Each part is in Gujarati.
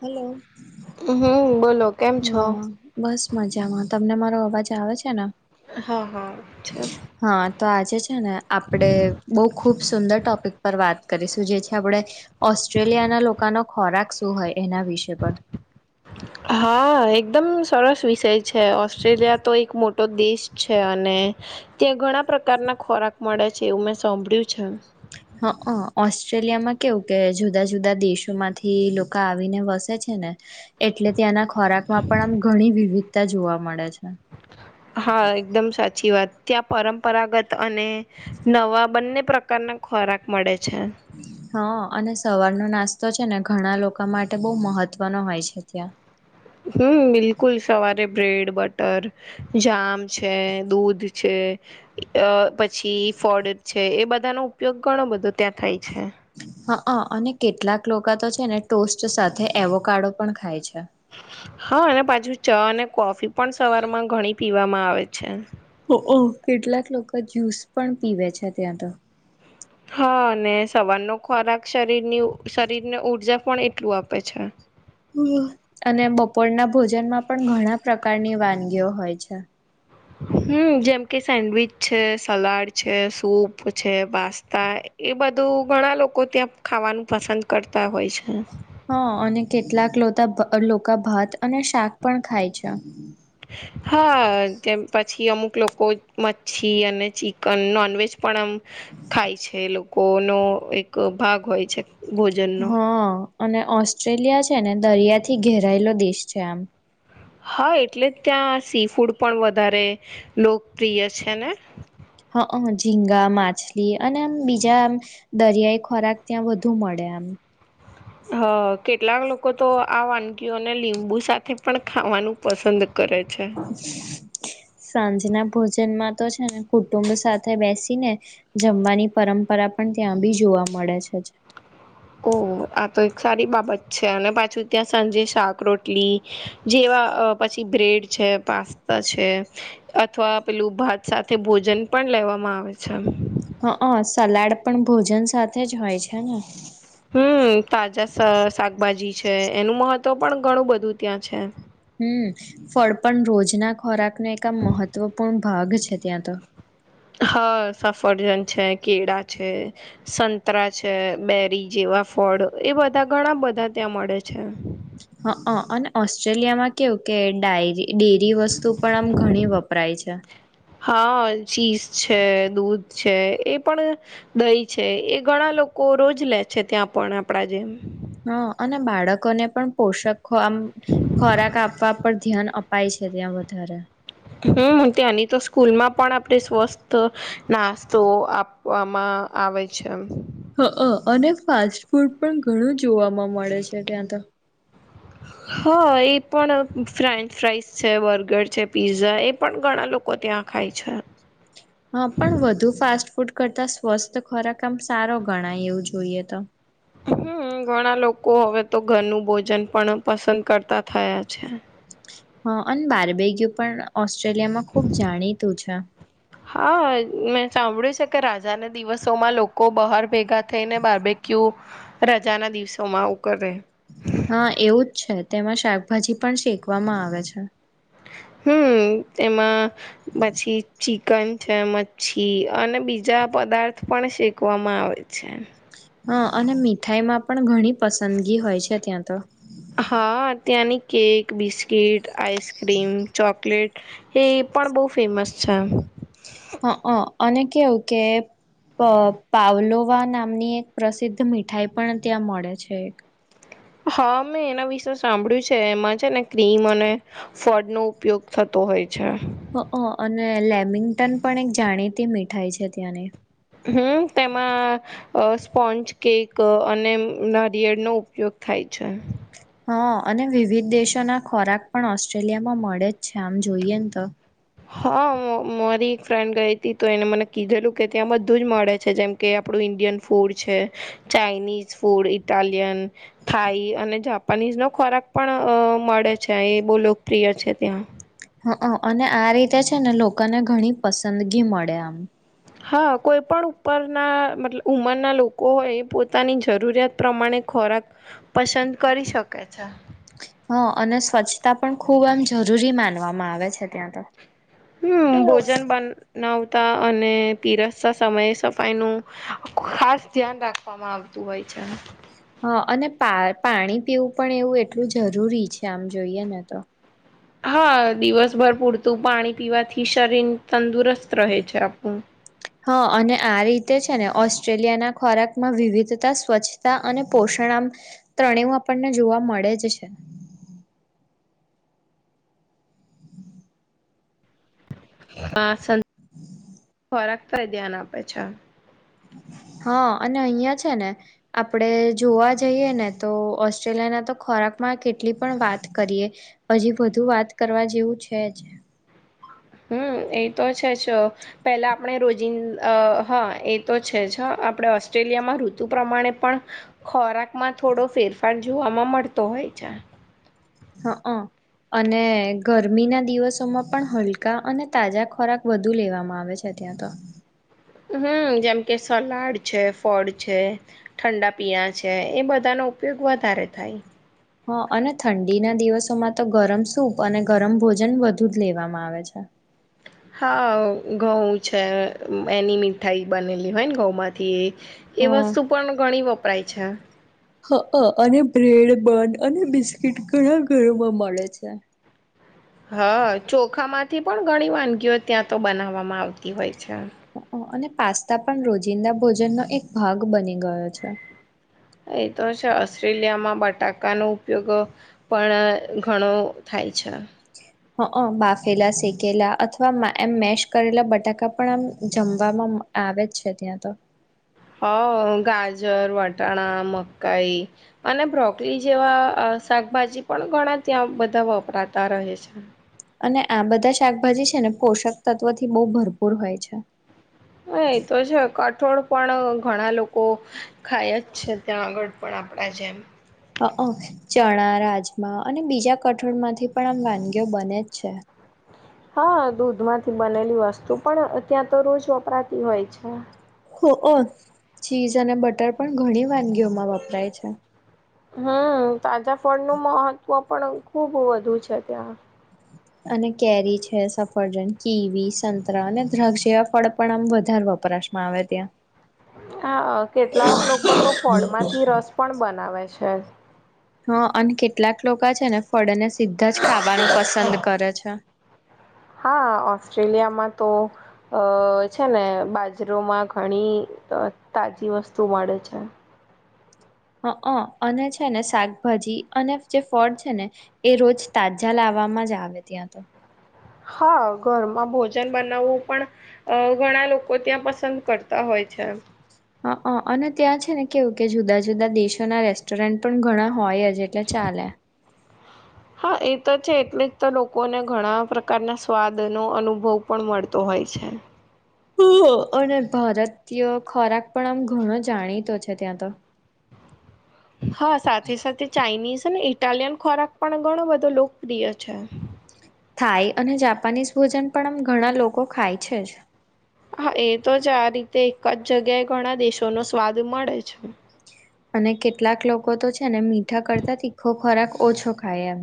હલો હમ બોલો કેમ છો? હા બસ મજામાં તમને મારો અવાજ આવે છે ને હા હા છે. હા તો આજે છે ને આપડે બહૂ ખુબ સુંદર ટોપિક પર વાત કરીશું જે છે, આપણે ઓસ્ટ્રેલિયાના લોકોનો ખોરાક શું હોય એના વિષય પર હા એકદમ સરસ વિષય છે, ઓસ્ટ્રેલિયા તો એક મોટો દેશ છે અને ત્યાં ઘણા પ્રકારના ખોરાક મળે છે એવું મેં સાંભળ્યું છે. હ ઓસ્ટ્રેલિયામાં કેવું કે જુદા જુદા દેશો માંથી લોકો આવીને વસે છે. છે ને એટલે ત્યાંના ખોરાકમાં પણ આમ ઘણી વિવિધતા જોવા મળે છે. હા એકદમ સાચી વાત ત્યાં પરંપરાગત અને નવા બંને પ્રકારના ખોરાક મળે છે. હા અને સવારનો નાસ્તો છે ને ઘણા લોકો માટે બહુ મહત્વનો હોય છે ત્યાં હમ્મ બિલકુલ સવારે બ્રેડ, બટર જામ છે, દૂધ છે, પછી ફળ છે એ બધા નો ઉપયોગ ઘણો બધો ત્યાં થાય છે. અને કેટલાક લોકો તો છે ને ટોસ્ટ સાથે એવો કાડો પણ ખાય છે. હા અને પાછુ ચા અને કોફી પણ સવાર માં ઘણી પીવામાં આવે છે. ઓ કેટલાક લોકો જ્યુસ પણ પીવે છે ત્યાં તો હા અને સવારનો ખોરાક શરીરની શરીર ને ઉઊર્જા પણ એટલું આપે છે. અને બપોરના ભોજનમાં પણ ઘણા પ્રકારની વાનગીઓ હોય છે. હમ્મ જેમ કે સેન્ડવીચ છે, સલાડ છે, સૂપ છે, પાસ્તા, એ બધું ઘણા લોકો ત્યાં ખાવાનું પસંદ કરતા હોય છે. હા અને કેટલાક લોતા લોકા ભાત અને શાક પણ ખાય છે. હા પછી અમુક લોકો મચ્છી અને ચિકન નોનવેજ પણ આમ ખાય છે લોકોનો એક ભાગ હોય છે ભોજનનો હં અને ઓસ્ટ્રેલિયા છે ને દરિયા થી ઘેરાયેલો દેશ છે આમ હા, એટલે ત્યાં સી ફૂડ પણ વધારે લોકપ્રિય છે ને અ ઝીંગા, માછલી અને આમ બીજા આમ દરિયાઈ ખોરાક ત્યાં વધુ મળે આમ હ, કેટલાક લોકો તો આ વાનગીઓને લીંબુ સાથે પણ ખાવાનું પસંદ કરે છે સાંજના ભોજનમાં તો છેને કુટુંબ સાથે બેસીને જમવાની પરંપરા પણ ત્યાં બી જોવા મળે છે [unintelligible] ઓ આ તો એક સારી બાબત છે અને પાછું ત્યાં સાંજે શાક રોટલી જેવા પછી બ્રેડ છે પાસ્તા છે અથવા પેલું ભાત સાથે ભોજન પણ લેવામાં આવે છે આમ હ અ સલાડ પણ ભોજન સાથે જ હોય છે ને હમ તાજા શાકભાજી છે એનું મહત્વ પણ ઘણું બધું ત્યાં છે હમ ફળ પણ રોજના ખોરાકનો એક આ મહત્વપૂર્ણ ભાગ છે ત્યાં તો હા, સફરજન છે કેળા છે સંતરા છે બેરી જેવ ફળ એ બધા ઘણા બધા ત્યાં મળે છે હ અ અને ઓસ્ટ્રેલિયામાં કેવું કે ડાયરી, ડેરી વસ્તુ પણ આમ ઘણી વપરાય છે [inaudible] હા, ચીઝ છે દૂધ છે એ પણ દહી છે એ ઘણા લોકો રોજ લે છે, ત્યાં પણ આપડા જેમ હા, અને બાળકોને પણ પોષખો આમ ખોરાક આપવા પર ધ્યાન અપાય છે ત્યાં વધારે હમ્મ, ત્યાંની તો સ્કૂલમાં પણ આપડે સ્વસ્થ નાસ્તો આપવામાં આવે છે આમ હ અ અને ફાસ્ટ ફૂડ પણ ઘણું જોવામાં મળે છે ત્યાં તો હા, એ પણ ફ્રેન્ચ ફ્રાઈસ છે બર્ગર છે પીઝા એ પણ ઘણા લોક કો ત્યાં ખાય છે હા, પણ વધુ ફાસ્ટ ફૂટ કરતા સ્વસ્થ ખોરાક આમ સારો ગણાય એવું જોઈએ તો હમ્મ, ઘણા લોકો હવે તો ઘરનું ભોજન પણ પસંદ કરતા થયા છે હ, અન બારબેગ્યુ પણ ઓસ્ટ્રેલિયામાં ખુબ જાણીતું છે હા, મેં સાંભળ્યું છે કે રાજાના દિવસોમાં લોકો બહાર ભેગા થઈને બાર્બેક્યયુ રજાના દિવસોમાં આઉ કરે હા એવું જ છે તેમાં શાકભાજી પણ શેકવામાં આવે છે [inaudible] અમ્મ તેમાં પછી ચિકન છે મચ્છી અને બીજા પદાર્થ પણ શેકવામાં આવે છે હા, અને મીઠાઈમાં પણ ઘણી પસંદગી હોય છે ત્યાં તો હા ત્યાંની કેક, બિસ્કીટ, આઈસક્રીમ, ચોકલેટ એ પણ બહુ ફેમસ છે એમ હ અ અને કેવું કે પ-પાવલોવા નામની એક પ્રસિદ્ધ મીઠાઈ પણ ત્યાં મળે છે એક. હા મેં એના વિશે સાંભળ્યું છે એમાં છે ને ક્રીમ અને ફળ નો ઉપયોગ થતો હોય છે. હ અ અને ને લેમિંગ્ટન પણ એક જાણીતી મીઠાઈ છે ત્યાંની. હમ્મ તેમાં અ સ્પોન્ચ કેક અ અને નારિયેળનો ઉપયોગ થાય છે. હા અને વિવિધ દેશો ના ખોરાક પણ ઓસ્ટ્રેલિયામાં મળે જ છે આમ જોઈએ ન તો. હા-અ-મ-મ-મારી એક ફ્રેન્ડ ગઈ હતી તો એને મને કીધેલું કે ત્યાં બધું જ મળે છે જેમ કે આપડું ઇન્ડિયન ફૂડ છે ચાાઈનીઝ ફૂડ ઇટાલિયન થાઈ અને જાપાનીઝ નો ખોરાક પણ અ મળે છે એ બહુ લોકપ્રિય છે ત્યાં. હ અને આ રીતે છે ને લોકોને ઘણી પસંદગી મળે આમ. હા કોઈ પણ ઉપરના મતલબ ઉમરના લોકો હોય એ પોતાની જરૂરિયાત પ્રમાણે ખો ખોરાક પસંદ કરી શકે છે. હ અને સ્વચ્છતા પણ ખૂબ એમ જરૂરી માનવામાં આવે છે ત્યાં તો. હમ્મ બોજન બન નાવ તા અને પીરસસવા સમયે સફાઈનું ખાસ ધ્યાન રાખવામાં આવતું હોય છે. [inaudible] હા અને પા-પાણી પીવું પણ એવું એટલું જરૂરી છે આમ જોઈએને તો. હા દિવસભર પૂરતું પાણી પીવાથી શરીન તંદુરસત હ અને આ રીતે જ અને ઓસ્ટ્રેલિયા ના ખોરાક માં વિવિધતા, સ્વચ્છતા અને પોષણ આમ ત્રણેવ આપણને જોવા મળે જ છે. હા સં [inaudible] ખોરાક પર ધ્યાન આપે છ [inaudible] હા, અને અહિયાં છે ને આપડે જોવા જઈએ ને તો ઓસ્ટ્રેલિયા ના તો ખોરાબ, આમાં કેટલી પણ વાત કરીએ હજી વધુ વાત કરવા જેવું છે જ હમ, એ તો છે જ પેલા આપણે રોજિંદ, હા, એ તો છે જ હ આપણે ઓસ્ટ્રેલિયામાં ઋતુ પ્રમાણે પણ ખોરાકમાં થોડો ફેરફાર જોવામાં મળતો હોય [unintelligible] હ, અ અને ગરમી ના દિવસોમાં પણ હલકા અને તાજા ખોરાક વધુ લેવામાં આવે છે ત્યાં તો હમ, જેમ કે સલાડ છે ફળ છે ઠંડા પીણા છે એ બધા ન ઉપયોગ વધારે થાય હ, અને ઠંડીના દિવસોમાં તો ગરમ સૂપ અને ગરમ ભોજન વધુ જ લેવામાં આવે છે [inaudible] હા, ઘઉં છે એની મીઠાઈ બનેલી હોય ને ઘઉંમાંથી એ હમ વસ્તુ પણ ઘણી વપરાય છે હઅ, અને બ્રેડ, બન અને બિસ્કીિટ ઘણા ઘરોમાં મળે છે હા, ચોખા માંથી પણ ઘણી વાનગીઓ ત્યાં તો બનાવવામાં આવતી હોય છે. હઅ અને પાસ્તા પણ રોજિંદા ભોજનનો એક ભાગ બને ગયો છે એ તો ઓસ્ટ્રેલિયામાં બટાકાનો ઉપયોગ પણ ઘણો થાય છે અચછા હઅ, બાફેલા શેકેલા અથવા એમ મેેશ કરેલા બટાકા પણ આમ જમવામાં આવે જ છે ત્યાં તો હ, ગાજર, વટાણા, મકાઈ અને બ્રોકલી જેવા શાકભાજી પણ ઘણા ત્યાં બધા વપરાતા રહે છે. અને આ બધા શાકભાજી છે ને પોષક તત્વથી બહુ ભરપૂર હોય છે. હ એ તો છે કઠોળ પણ ઘણા લોકો ખાય જ છે ત્યાં આગળ પણ. આપણા જેમ. અ અ ચણા રાજમા અને બીજા કઠોળમાંથી પણ આમ વાનગીઓ બને જ છે. હા દૂધ માંથી બનેલી વસ્તુ પણ ત્યાં તો રોજ વપરાતી હોય છે. ઓ ઓ ચીઝ અને બટર પણ ઘણી વાનગીઓમાં વપરાય છે. હ તાજા ફળનું મહત્વ પણ ખુબ વધુ છે ત્યાં. અને કેરી છે, સફરજન, કીવી, સંતરા અને દ્રાક્ષ જેવા ફળ પણ આમ વધારવા વપરાશ માં આવે ત્યાં હા કેટલાક લોકો તો ફળમાંથી રસ પણ બનાવે છે હ અને કેટલાક લોકો છે ને ફળને સીધા જ ખાવાનું પસંદ કરે છે [inaudible] હા ઓસ્ટ્રેલિયામાં તો છે ને બાજરોમાં ઘણી તો તાજી વસ્તુ મળે છે હ હ અને છે ને શાકભાજી અને જે ફળ છે ને એ રોજ તાજા લાવે વામાં જ આવે ત્યાં તો હા ઘરમાં ભોજન બનાવવું પણ ઘણા લોકો ત્યાં પસંદ કરતા હોય છે હ હ અને ત્યાં છે ને કેવું કે જુદા જુદા દેશોના રેસ્ટોરન્ટ પણ ઘણા હોય જ જેટલે ચાલે હા એ તો છે એટલે જ તો લોકોને ઘણા પ્રકારના સ્વાદનોો અનુભવ પણ મળતો હોય હોય છે અને ભારતીય ખોરાક પણ આમ ઘણો જાણીતો છે ત્યાં તો હા સાથે સાથે ચાઇનીઝ ને ઇટાલિયન ખોરાક પણ ઘણો બધો લોકપ્રિય છે થાય અને જાપાનીઝ ભોજન પણ આમ ઘણા લોકો ખાય છે જ હા એ તો જ આ રીતે એક જ જગ્યાએ ઘણા દેશોનો સ્વાદ મળે છે અને કેટલાક લોકો તો છે ને મીઠા કરતા તીખો ખોરાક ઓછો ખાય એમ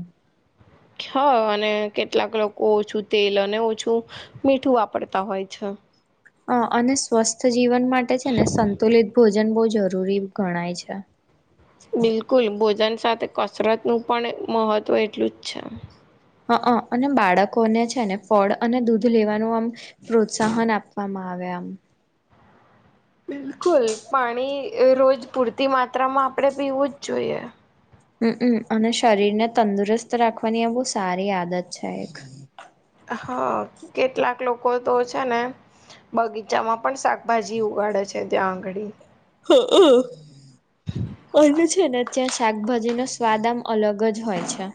હ અને કેટલાક લોકો ઓછું તેલ અને ઓછું મીઠું વાપરતા હોય છે [unintelligible] અ અને સ્વસ્થ જીવન માટે છે ને સંતુલિત ભોજ ભોજન બહુ જરૂરી ગણાય છે બિલકુલ ભોજન સાથે કસરતનું પણ મહત્ત્વ એટલું જ છે હ હ અને બાળકોને છે ને ફળ અને દૂધ લેવાનું આમ પ્રોત્સાહન આપવામાં આવે મે આમ બિલકુલ પાણી રોજ પૂરતી માત્રામાં આપણે પીવું જ જોઈએ હમમ અને શરીરને તંદુરસ્ત રાખવાની આ બહુ સારી આદત છે એક હા કેટલાક લોકો તો છે ને બગીચામાં પણ શાકભાજી ઉગાડે છે ત્યાં આંગળી હ હ અ તો છે ને ત્યાં શાકભાજી નો સ્વાદ આમ અલગ જ હોય છે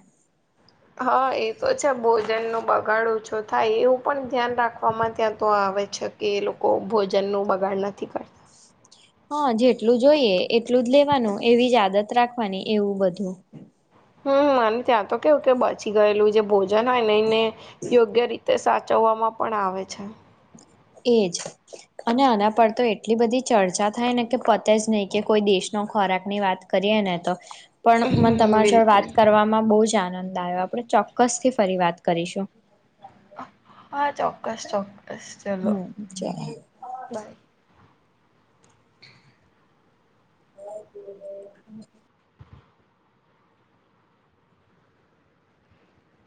હા એ તો છે ભોજન નો બગાડ ઓછો થાય એવું પણ ધ્યાન રાખવામાં ત્યાં તો આવે છે કે એ લોકો ભોજન નું બગાડ નથી કરતા [unintelligible] હા જેટલું જોઈએ એટલું જ લેવાનું એવી જ આદત રાખવાની એવું બધું હમ મને ત્યાં તો કેવું કે બચી ગયેલું જે ભોજન હોય ને એને યોગ્ય રીતે તે સાચવવામાં પણ આવે છે એજ અને આના પર તો એટલી બધી ચર્ચા થાય ને કે પતે જ નહી કે કોઈ દેશ ખોરાક ની વાત કરીએ ને તો પણ મને હમ તમારા જોડ બિલકુલ વાત કરવામાં બહુ જ આનંદ દાયો આપણે ચોક્કસ થી ફરી વાત કરીશું હા ચોક્કસ ચોક્કસ ચલો હમ ચાલ બાય જરા જુલે